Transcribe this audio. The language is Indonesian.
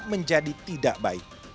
menjadi tidak baik